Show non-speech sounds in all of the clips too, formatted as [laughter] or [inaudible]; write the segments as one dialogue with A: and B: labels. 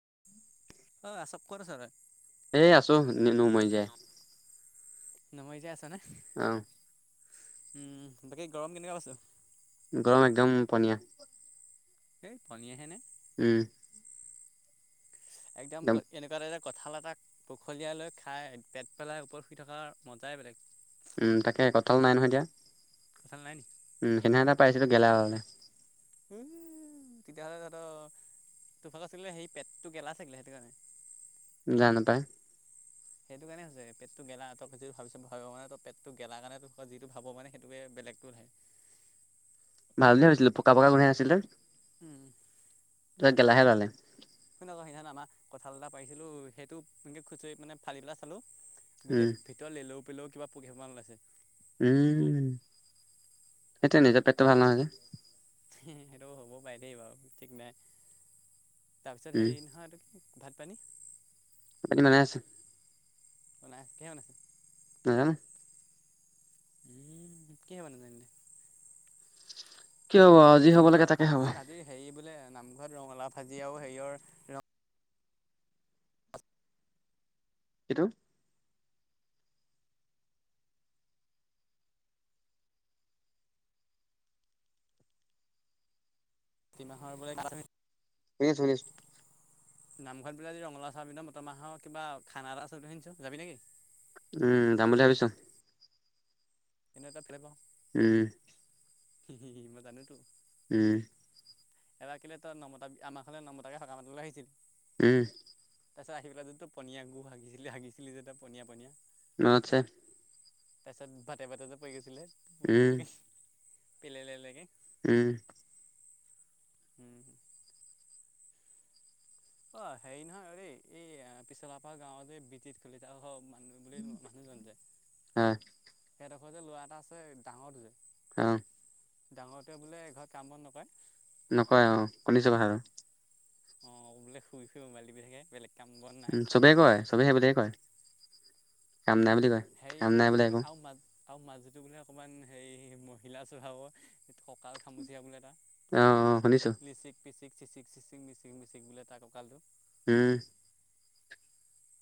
A: [unintelligible] [inaudible]
B: অ অচব কত আছ ভাই [unintelligible]
A: এ আছো নুমাই জীয়াই
B: নমই জীয়াই আছ নে
A: অ
B: উম বাকী গৰম কেনেকা পাইছ
A: গৰম একদম পনীয়া
B: এই পনীয়া হে নে [unintelligible]
A: উম
B: একদম এনেকা [unintelligible] কঁঠাল এটাক বখলিয়াই লৈ খাই পেট পেলাই ওপৰত শুই থকাৰ মজাই বেলেগ
A: উম তাকে কঠাল নাই নহয় এতিয়া।
B: কঁঠাল নাই নি?
A: উম তেনেহলে পাইছিলো গেলা উলালে।
B: উম তেতিয়া হ'লে তহত তো ফালে চেগা সেই পেটটো গেলা চাগিলে সেইটো কাৰণে
A: জানো পায়
B: সেইটো কাৰণে হৈছে পেটটো গেলা ত‌ই যিটো ভাবিছ ভাব মানে ত পেটটো গেলা কাৰণে ত যিটো ভাব মানে সেইটোকে বেলেগ টো নাই
A: আজিয়েই হৈছিলে পকা পকা গোন্ধাই আছিলে
B: উম
A: ত‌ই গেলাহে ওলালে
B: শুন আকৌ সেইদিনান আমাৰ কঠাঁল এটা পাৰিছিলো, সেইটো এনেকে খুচৰি মানে ফালি পেলাই চালো
A: উম
B: গোটেই ভিতৰত লেও পেলেও কিবা পোক এসোপা মান ওলাইছে
A: উম, সেইটোৱে নিজৰ পেটটো ভাল নহয় যে
B: সেইটো হ'ব পাই দেই বাৰু ঠিক নাই তাৰপিছত
A: উম
B: হেৰি নহয় এটো কি ভাত পানী?
A: বনাই আছে
B: বনাই আছে কিহে বনাইছে?
A: নাযানো
B: উম কি হ'ব নাজানিলে
A: কি হ'ব আও
B: অ আজি আজিৰ হেৰি বোলে নামঘৰত ৰঙালাও ভাজি আৰু হেৰিয়ৰ ৰ
A: কিটো
B: কাতিমাহৰ বোলে
A: শুনিছোঁ শুনিছোঁ
B: নামঘৰত বোলে আজি ৰঙালাও চয়াইবিনে মতমাহৰ কিবা খানা এটা আছে শুনিছো যাবি নেকি?
A: উম যাম বুলি ভাবিছোং
B: এনেও ত‌ই ভালে পাওঁ
A: উম।
B: মই জানোতো
A: উম
B: এব কিললে তই নমতা আমাৰ খলে নমতাকে সক মানলৈ আহিছিল
A: উম।
B: তাৰ পিছত আহিলাই য ত পনীয়া গু ভাগিছিলি গছিলি যে ত পনীয়া পনীয়া
A: মনত আছে
B: তাৰ পিছত বাটে বাটে যে পৰি গৈছিলে
A: উম
B: পিলাই লে লেকে
A: উম।
B: উম। অ হেৰি নহয় ৰে এই পিছলাপাৰ গাঁৱত যে বিদিত কলিতা মানুহ বুলি মানুহজন যে
A: আহ
B: যে সেইডোখৰ ল'ৰা এটা আছে ডাঙৰ যে-
A: আহ
B: ডাঙৰটে বোলে এ ঘৰত কাম বন নকৰে
A: নকয় অ শুনি চাবা আৰু
B: অ বোলে শুই শুই মবাইল টিপি থাকে বেলেগ কাম বন নাই
A: উম চবেই কয় চবে সেইবুলিয়ে কয়। কাম নাই
B: উম
A: বুলি কয়।
B: হেৰি
A: কাম
B: এইটো
A: নাই
B: কি
A: বুলিলে
B: বুলি কয়
A: একো
B: আৰু মাজ আৰু মাজুলটো বোলে অকমান হেৰি মহিলা চভাবৰ কঁকাল খামুচিয়া বোলে এটা
A: আহ অ শুনিছো
B: চিকি কি মিক মিচিক বোলে তাক কঁকালটো
A: উম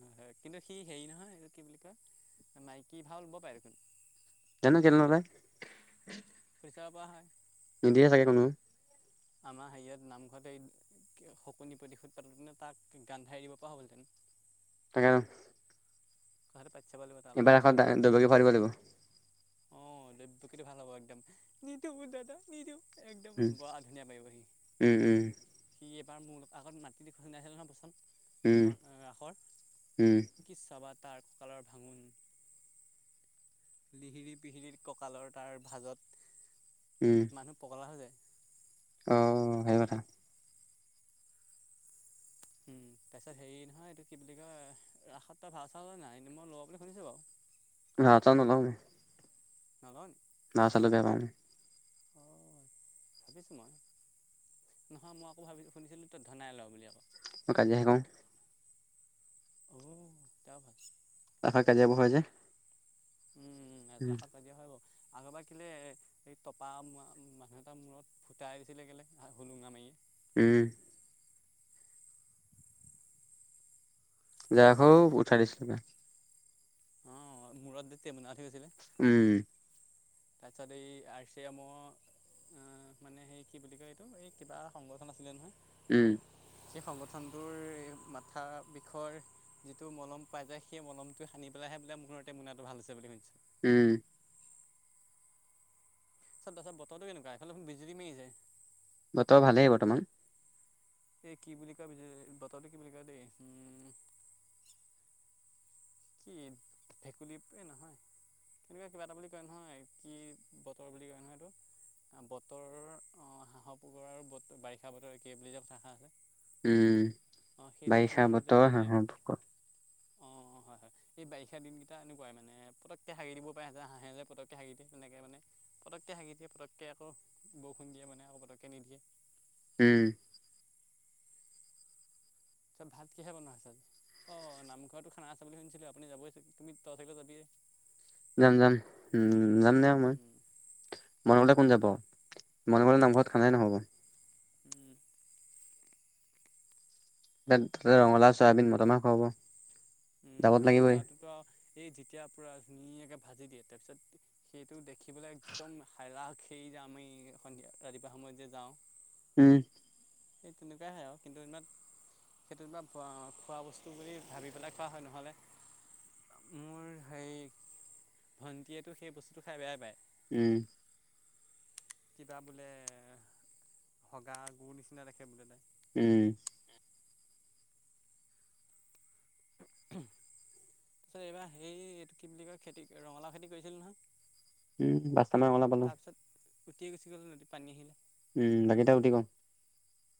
B: হয় হয় কিন্তু সি হেৰি নহয় এই কি বুলি কয় মাইকী ভাল ও ব পাৰে দেখোন
A: জানো কেলে নাযায়
B: পইচা বা হয়।
A: নিদিয়ে চাগে কোনো
B: আমাৰ হেৰিয়াত নামঘতে শকুনি প্ৰতিশোধ পাতোতে তাক গান ধাৰ দিব পৰা হ'লতেন [inaudible]
A: তাকে
B: ঘৰ প
A: এবাৰ এখন দুবগী ফৰিব দাগিব
B: অ দে কিটো ভাল হ'ব একদম নদু দাদা নিদু একদম
A: উম
B: বৰা ধুনীয়া পাৰিব সি
A: উম
B: সি বাৰ মোৰ লগ আত মাতি দিখাই আছিলে ন বচোন
A: উম
B: ধ ৰাসৰ
A: উম উম
B: কিৎসা বা তাৰ ক কালাৰ ভাঙন লিহিৰি পিহিৰি কঁকালৰ তাৰ ভাজত
A: উম
B: মানুহ পগলা হৈ যায়।
A: অ সেই কথা
B: হম। তাৰপিছত হেৰি নহয় এইটো কি বুলি কয় ৰাসত ভাল চালে নাই মই লোৱা বুলি শুনিছো বাৰু
A: হ চান ল
B: [inaudible]
A: ন চাল দে পা
B: হয় ভাবিছো মই নহয় মই আকৌ ভাবিছো শুনিছিলো তই ধনাই ল বুলি আকৌ
A: অক জক
B: অ তা ভাল
A: তা পা কাজিয়াবোৰ হয় যে
B: উ
A: উম
B: নিজিৰাখত কাজিয়া হব আগৰবা কেলে এই টপা মুৱা মানুহ এটাৰ মূৰত ফুটাইছিলে কেলে হলুঙা মাৰিয়ে
A: উম য হৌ উঠাই দিছিলি গে
B: অ মূুৰত দে তে ম নে
A: উম
B: তাৰছত এই আৰছিয় ম অ মানে সেই কি বুলি কয় এইটো এই কিবা সংগঠন আছিলে নহয়।
A: উম
B: সেই সংগঠনটোৰ মাথা বিষয়ৰ যিটো মলম পাই যায় সেই মলমটোোৱে সানি পেলাই- সে ব বোলে মূৰতে মোনাটো ভাল হৈছে বুলি শুনচ-
A: উম-
B: চ তছত বতৰটো কেনেকুৱা এইফালে খুন বিজুলী মায়ী ছে-
A: বতৰ ভালেই বৰ্তমান
B: এই কি বুলি কৈ বিজ জ বতউটো কি বুলি ক দেই উম কি ভেকুলী প এ নহয়। কেনেকুৱা কিবা এটা বুলি কয় নহয় কি বতৰ বুলি কয় নহয় এইটো। বতৰ অ হাঁহ পুকৰ আৰু বত বাৰিষা বতৰ একেই বুলি যে কথা এষা আছে
A: উম
B: অঁ সেইটো
A: বাৰিষা
B: শুনিছোঁ যে
A: বতৰ
B: মানে
A: হাঁহ ভোক-
B: অঁ হয় হয় এই বাৰিষা দিনকেইটা এনেকুৱাই মানে পতকে হাৰি দিব পাৰে য হাঁহে যে পতককে হাগী দিয়ে তেনেকে মানে পক- পটককৈ হাঁগীদিয়ে পতকে আক বৰষুণ দিয়ে মানে আকৌ পটককে নিদিয়ে।
A: উম
B: চব ভাত কিহে বনোৱা হচে আজি। অ নামঘৰতো খানা আছে বুলি শুনচিলো আপুনি যাবই তুমি তই চাগে যাবিয়ে-
A: যাম যাম উম যাম দে অ মই
B: যাবিয়ে
A: মই নগলে কোন যাব মই নগলে নামঘৰত খানাই নহ'ব
B: উম
A: দা তাতে ৰঙালাও চয়াবিন মটৰ মাহ
B: উম
A: খোৱাব জাবত লাগিবই
B: ৰঙালাওটোতো আৰু এই যেতিয়া পুৰা ধুনীয়াকে ভাজি দিয়ে তাৰ পিছত সেইটো দেখিবলৈ একদম হাইৰাক সেই যামই সন্ধিয়া ৰাতিপুৱা সময়ত যে যাওঁ
A: উম
B: সেই তেনেকুৱাই হয় আও কিন্তু ইমান সেইটো কিবা ব অ খোৱা বস্তু বুলি ভাবি পেলাই খোৱা হয় নহ'লে মোৰ হেই ভন্টিয়েতটো সেই বস্তুটো খাই বেয়াই পায়
A: উম
B: কিবা বোলে সগা গুৰ নিচিনা দেখে বোলে তাই
A: উম
B: [unintelligible] তাৰপিছত এইবাৰ হে এইটো কি বুলি কয় খেতি ৰঙালাও খেতি কৰিছিলো নহয়
A: উম পাঁচটা মান ৰঙালাও পালো
B: উুটিয় গুচি গ'ল নদীত পানী আহিলে
A: উম বাকিটা উুটি ক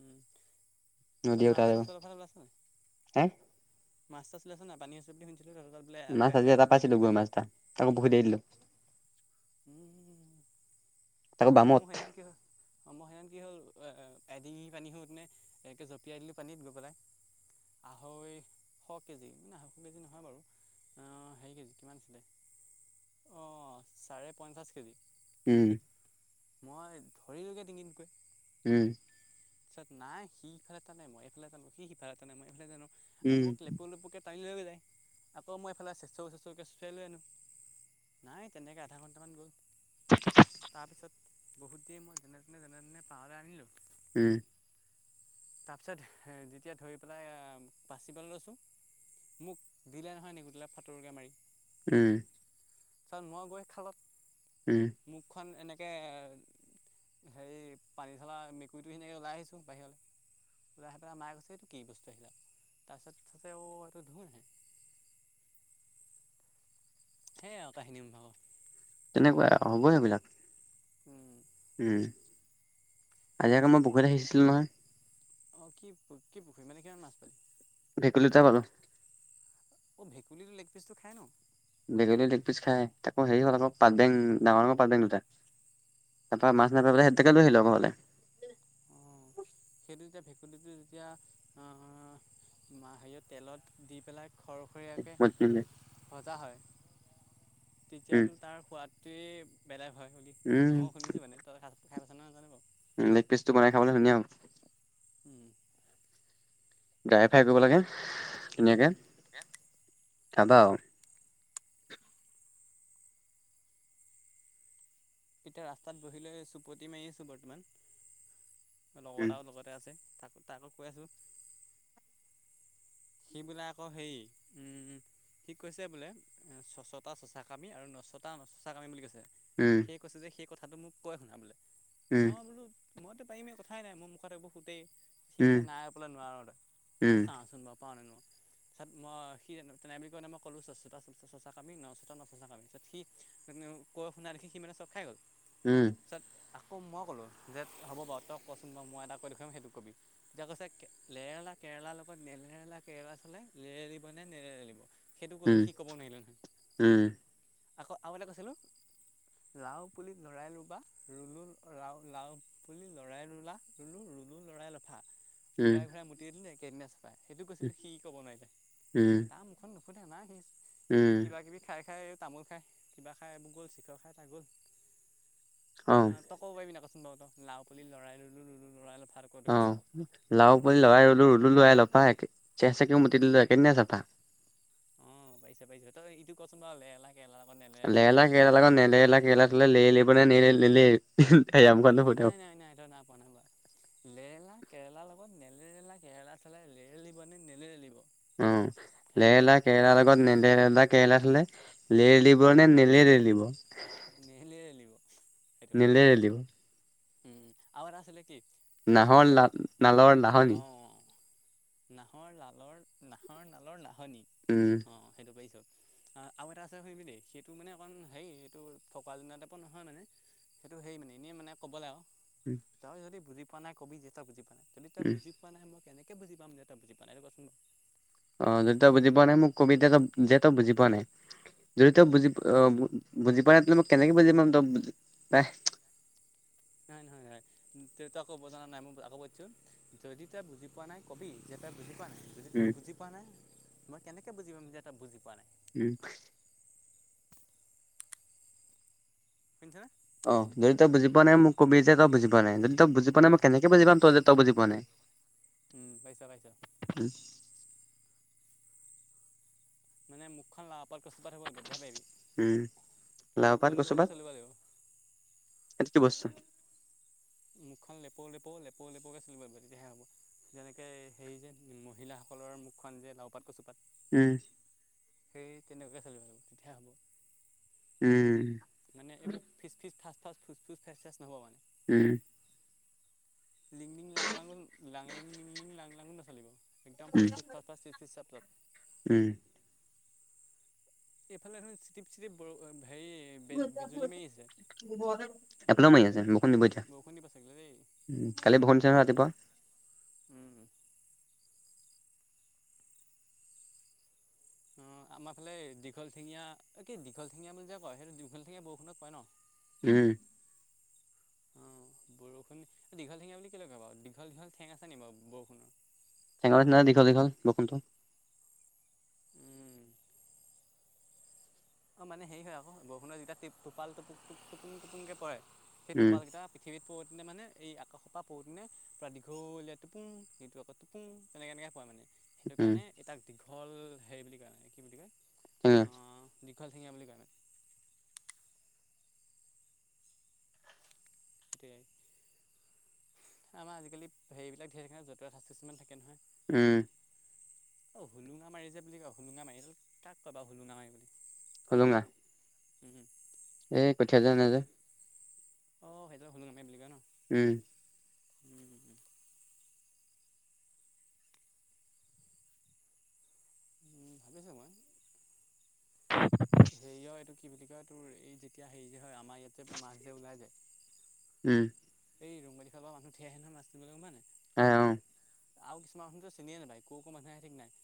B: উম ওচত মাছ
A: উঠাই গ'ল
B: চাছ তহঁতৰ ফালে ওলাছে নাই
A: হে
B: মাছ চাছ উলছে নাই পানী আছে বুলি শুনি
A: মাছ আজি এটা পাইছিলো গৰৈ মাছ এটা তাকো পুখুৰী এৰি দিলো
B: উম ম
A: তাকো
B: মো
A: বামত
B: সেইনাখন কি হল অ মই সেইদিনা খন কি হ'ল এ এডিঙি পানী সোতনে একে জঁপিয়াই দিলো পানীত গৈ পেলাই আঢ়ৈ শ কেজি মানে আঢ়ৈশ কেজি নহয় বাৰু অঁ হেৰী কেজি কিমান আছিলে। অঁ চাৰে পঞ্চাশ কেজি।
A: উম
B: মই ধৰিলোগে ডিঙিতগৈ।
A: উম।
B: পিছত নাই সি ইফালে টানে, মই এইফালে টানো সি সিফালে টানে মই এইফালে টানো। আ
A: উম,
B: মোক লেপু লেপুকে টানিলৈ গৈ যায়। আকৌ মই এইফালে চেছৌ, চেছৌকে চোছোৱাই লৈ আনো। নাই তেনেকে আধা ঘন্টামান গ'ল। তাৰপিছত বহুত দেৰিত মই যেনে -তেনে, যেনে -তেনে পাৰলে আনিলোঁ
A: ওঁ
B: তাৰপিছত হেঁ যেতিয়া ধৰি পেলাই আ--বাচিবলে লৈছোঁ মোক দিলে নহয় নেগুৰডালে ফাটোৰকে মাৰি।
A: উম।
B: পিছত মই গৈ খালত।
A: উম,
B: মুখখন এনেকে হেৰি, পানীঢলা মেকুৰীটো সেনেকে ওলাই আহিছোঁ বাহিৰলে। খুড়াহেতৰ মাই কৈছে এটো কি বস্তু আহিলে। তাৰপাছত চাইছে অ সেটো ধুন হে [unintelligible] হে আও কাহিনী মো ভাগ'।
A: তেনেকুৱাই, হ'বই সেইবিলাক।
B: উম।
A: উম, আজি আক 'মই পুখুৰী এটা সেচিছিলো নহয়।
B: অহ কি কি পুখুৰী মানে কিমান মাছ পালি
A: ভেকুলী এটা পালোঁ।
B: অঁ, ভেকুলীৰ লেগপিচটো খায় ন?
A: ভেকুলীৰ লেগপিচচ খায়। তাকৌ হেৰি হ'ল আকৌ পাতবেং, ডাঙৰ ডাঙৰ পাতবেং দুটা। তাপা মাছ
B: ন
A: নেপালে, সেইটোকে লৈ আহিলে আৱ ঘৰলে।
B: অঁ। তে ভেকুলীটো যেতিয়া আ হেৰীয়ত তেলত দি পেলাই
A: মই তিনিটা-
B: খৰখৰীয়াকে ভজা হয়।
A: উম,
B: তেতিয়াটো তাৰ সোৱাদটোৱে বেলেগ হয় বুলি
A: উম,
B: মই শুনিছোঁ মানে, তই খাই পাইছা নহয়, জানিব
A: লেগ পিচটো বনাই খাবলে ধুনীয়া হ'ব।
B: উম।
A: ড্ৰাই ফ্ৰাই কৰিব লাগে ধুনীয়াকে,
B: উম।
A: খাবা আৱ
B: এতিয়া ৰাস্তাত বহিলৈ চুপতি মাৰি আছোঁ বৰ্তমান। লগৰ
A: উম,
B: এটাও লগতে আছে। তাক তাকো কৈ আছোঁ। সি বোলে আকৌ হেৰি, উম। সি কৈছে বোলে, এ ছচটা চছাকামি আৰু নছটা নচছাকামি বুলি কৈছে।
A: উম,
B: সি কৈছে যে সেই কথাটো মোক কয় শুনা বোলে।
A: উম,
B: মইটো পাৰিমে কথাই নাই। মোৰ মুখত এইবোৰ ফুটেই। সি
A: উম।
B: কৈছে, নাই বোলে নোৱাৰ তই। মই বোলো
A: উম
B: চাওঁচোন বাৰু পাৰোঁ নে নোৱাৰোঁ। পিছত মই সি জানো। তেনে বুলি কৈ কেনে মই কলো, চছিতা চ' চ' চ' চছা কামি, ন ছিতা নচছা কামি। পিছত সি সিও, কৈ শুনোৱা দেখি সি মানে চক খাই গ'ল। পিছত আক কৌ মই ক'লো যে হ'ব বাৰু তই কচোন বাৰু মই এটা কৈ দেখোৱাম সেইটো কবি। তেতিয়া কৈছে কে লেৰেলা, কেৰে কেৰেলাৰ লগত নেলেৰেলা কেৰেলা থ'লে লেৰেলিব নে নেৰেলিব সেইটো ক'লো সি ক'ব নোৱাৰিলে নহয়, আকৌ আৰু এটা কৈছিলো লাও পুলি লৰাই ৰুবা, ৰুলো লাও লাও পুলি লৰাই ৰুলা, ৰুলো ৰুলো লৰাই লফা। ওৰাই ঘূৰাই মুতি দিলোঁ একেদিনাই চফা। সেইটো কৈছিলোঁ, সি ক'ব নোৱাৰিলে। তাৰ মুখখন নুফু ফুতে নোৱাৰে সি, সি কিবা কিবি খাই খাই তামোল খাই, কিবা খাই গ'ল, চিখৰ খাই তাৰ গ'ল,
A: অ
B: তই ক'ব পাৰিবি নাই ক্‌ ক'ত, লাও পুলি লৰাই ৰুলোঁ ৰুলোঁ লৰাই লফা আকৌ দেখুৱাই
A: অ',
B: চাওঁ
A: শুন, লাও পুলি লৰাই ৰুলোঁ ৰুলোঁ লৰাই লফা [unintelligible] ছে চে কে মুতি দিলোঁ একেদিনাই চাফা।
B: অ', পাৰিছে পাৰিছে তই ইটো কচোন বা লেৰেলা কেৰেলা লগত নেলেৰেলা
A: লেৰেলা
B: চলাই
A: কেৰেলা,
B: লেৰেলিকনে
A: নেলেৰেলা কেৰেলাৰ লগত থ'লেলেৰেলা কেৰেলা লেৰেলিব নে নেলেৰেলিব
B: নাই, নাই, নাই, তই নাই‌ পোৱা নাই পোৱা লেলা কেৰেলা লগত নেলেৰেলা কেৰেলা থ'লে লেৰেলিবনে নেলেৰিব
A: উম, লেৰেলা কেৰেলা লগত‌ নেলেৰেলা কেৰেলা থ'লে লেৰেলিব নে নেলেৰেলিব
B: নেহেলিয়ে ৰেলিব সেইটো
A: নেলেৰেলিব
B: উম আৰু এটা আছিলে কি
A: নাহৰ
B: তই
A: লা নালৰ নাহৰী
B: অঁ নাহৰ লালৰ নাহৰ নালৰ নাহনি,
A: উম
B: অ সেইটো পাৰিছো। আ আৰু এটা আছে শুনিবি দেই সেইটো মানে অকণ হেৰী এইটো ফকৰা যোজনা টাইপৰ নহয় মানে সেইটো হেৰী মানে এনেই মানে ক'বলে আৱ,
A: উম
B: তই যদি বুজি পোৱা নাই কবি যে তই বুজি পোৱা নাই যদি তই
A: উম
B: বুজি পোৱা নাই মই কেনেকে কেনেকে বুজি পাম যে তই বুজি পোৱা নাই এইটো কচোন বাৰু
A: অ, যদি তই বুজি পোৱা নাই মোক কবি তেয যে তই বুজি পোৱা নাই। যদি তই বুজি আহ বুজি পোৱা ন মই কেনেকে বুজি পাম তই
B: [unintelligible] নহয় নহয় নহয় ত তই ক'ব জনা নাই মই আকৌ কৈ দিছোঁ যদি তই বুজি পোৱা নাই কবি যে তই বুজি পোৱা নাই। যদি তই
A: উম
B: বুজি পোৱা নাই মই কেনেকে বুজি পাম যে তই বুজি পোৱা নাই।
A: উম।
B: শুনিছা নে?
A: অ, যদি তই বুজি পোৱা নাই মোক কবি যে তই বুজি পোৱা নাই যদি তই বুজি পোৱা নাই মই কেনেকে বুজি পাম তই যে তই বুজি পোৱা নাই।
B: উম, পাইছোঁ পাইছোঁ
A: উম
B: মানে মুখখন লাভ ক'ৰপাত কষ্টপাত হ'ব বৈধাই
A: উম
B: পাৰিবি লেপৌ লেপুৰকে চলিব লাগিব
A: সেইটো কি বস্ত?
B: [inaudible] মুখখন লেপৌ লেপৌ লেপৌ লেপৌকৈ চলিব লাগিব তেতিয়াহে হ'ব যেনেকৈ হেৰি যে মহিলাসকলৰ মুখ যে লাও পাত কচুপাত
A: উম',
B: সেই তেনেকুৱাই চলিব আৰু তেতিয়া হ'ব
A: উম',
B: মানে এইবোৰ ফিচ ফিচ ফাস ফাস ফুচ ফুচ ফেচ ফেচ নহ'ব মানে
A: উম',
B: লিং লিং লাং লাং লাংলিং লিং লিং লাং লাংও নচলিব একদম
A: উম
B: ফুচ ফুচ ফাচ ফাচ চিফ চিফ চাফ চাফ
A: উম',
B: এইফালে হেনো চিটিপ চিটিপ বৰষু
A: [unintelligible] মাৰি আছে ন শুনিব এতিয়া, উ
B: বৰষুণ দিব
A: কালি
B: চাগৈ
A: বৰষুণ দিছে নহয় ৰাতিপুৱা-
B: উম', উম', আমাৰ ফালে দীঘল ঠেঙীয়া এই কি দীঘল ঠেঙীয়া বুলি যে কয় সেইটো দীঘল ঠেঙীয়া বৰষুণক কয় ন',
A: উম',
B: উম', অ', বৰষুণ দীঘল ঠেঙীয়া বুলি ক'লে কয় বাৰু দীঘল দীঘল ঠেং আছে নি বাৰু বৰষুণৰ'?
A: চেঙৰ নিচিনা দীঘল দীঘল বৰষুণটো,।
B: অ', মানে হেৰি হয় আকৌ বৰষুণৰ যেতিয়া টিপ টোপাল টোপুক টোপ টোপুনকে পৰে, সেই
A: উম
B: টোপাল কেইটা পৃথিৱীত পৰোতে মানে এই আকাশৰ পৰা পৰোতে ননে পুৰা দীঘলীয়া টোপু সিটো আকৌ টোপো তেনেকে এনেকে প মানে। সেইটো
A: উম
B: কাৰণে এটাক দীঘল হেৰি বুলি কয় মানে। কি বুলি কয়?
A: উম।
B: দীঘল ঠেঙীয়া বুলি কয়। [inaudible] আমাৰ আজিকালি হেবিলাক যতুৱ ঠাঁচ কিছুমান থাকে নহয়।
A: উম।
B: অ, হোুলুঙা মাৰি যে বুলি কয় হোুলুঙা মাৰি কাক কয় বাৰু হুলুঙা মাৰি বুলি?
A: সোলোঙা।
B: হম হু [unintelligible]
A: এই কঠীয়া যে নে যে। [unintelligible]
B: অ, সেইটোৱে হোলোঙা মাৰি বুলি কয় ন।
A: উম।
B: [inaudible] উম, ভালে আছো মই। হেৰিয় এইটো কি বুলি কয় তোৰ এই যেতিয়া হেৰি যে, আমাৰ ইয়াতে মাছ যে ওলাই
A: উম
B: যায়। এই ৰং [unintelligible] ল
A: আহ, অ।
B: আৰু কিছমান চিনিয়ে নাপায় ক ক মানুহে ঠিক নাই।